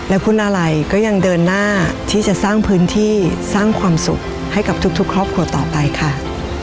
และคุณอะไรก็ยังเดินหน้าที่จะสร้างพื้นที่สร้างความสุขให้กับทุกครอบครัวต่อไปค่ะ